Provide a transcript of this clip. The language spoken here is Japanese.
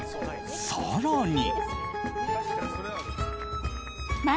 更に。